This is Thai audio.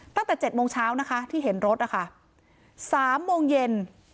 ตั้งแต่๗โมงเช้านะคะที่เห็นรถนะคะสามโมงเย็น